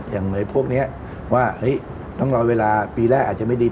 อย่างพวกนี้ว่าต้องรอเวลาปีแรกอาจจะไม่ดี